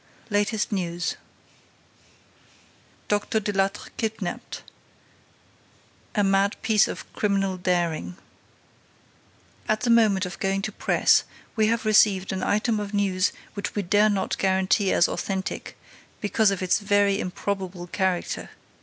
LATEST NEWS DOCTOR DELATTRE KIDNAPPED A MAD PIECE OF CRIMINAL DARING At the moment of going to press, we have received an item of news which we dare not guarantee as authentic, because of its very improbable character.